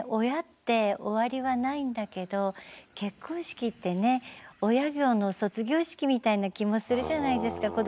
親って終わりはないんだけど結婚式ってね親業の卒業式みたいな気もするじゃないですか。